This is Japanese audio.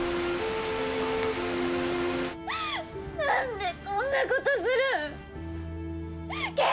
何でこんなことするん？